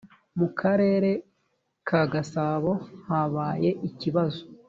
mu karere ka gasabo habaye ikibazo